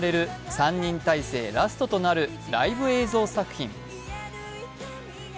３人体制ラストとなるライブ映像作品。